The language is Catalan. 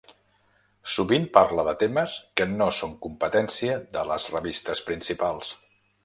Sovint parla de temes que no són competència de les revistes principals.